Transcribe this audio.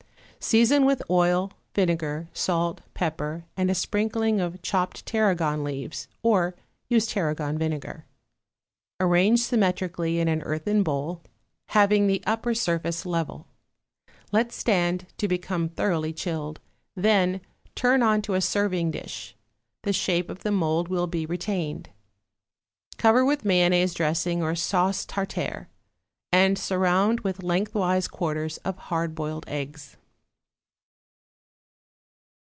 Season with oil, vinegar, salt, pepper, and a sprinkling of chopped tarragon leaves (or use tarragon vinegar). Arrange symmetrically in an earthen bowl, having the upper surface level. Let stand to become thoroughly chilled, then turn on to a serving dish; the shape of the mould will be retained. Cover with mayonnaise dressing or Sauce Tartare, and surround with lengthwise quarters of hard boiled eggs.